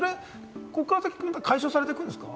ここから先、解消されていくんですか？